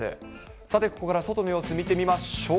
さて、ここから外の様子見てみましょう。